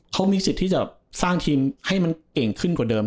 เขามีสิทธิ์ที่จะสร้างทีมให้มันเก่งขึ้นกว่าเดิม